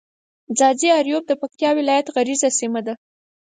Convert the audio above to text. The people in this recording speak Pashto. ځاځي اريوب د پکتيا ولايت غرييزه سيمه ده.